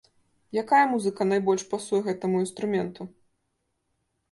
Якая музыка найбольш пасуе гэтаму інструменту?